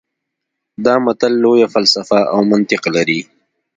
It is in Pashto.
دا متل لویه فلسفه او منطق لري